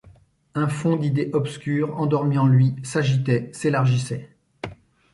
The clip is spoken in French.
Un fonds d’idées obscures, endormies en lui, s’agitait, s’élargissait.